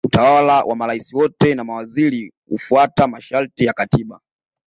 utawala wa marais wote na mawaziri hufuata masharti ya katiba